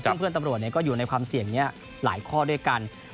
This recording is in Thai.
ซึ่งเพื่อนตำรวจก็อยู่ในความเสี่ยงนี้หลายข้อด้วยกัน